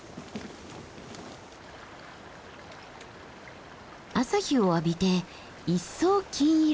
朝日を浴びて一層金色に。